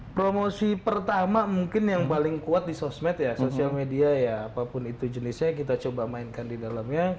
promosi pertama mungkin yang paling kuat di sosmed ya sosial media ya apapun itu jenisnya kita coba mainkan di dalamnya